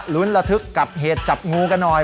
รุนระทึกกับเฮียดจับงูกันหน่อย